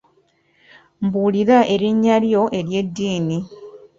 Mbuulira erinnya lyo ery'eddiini.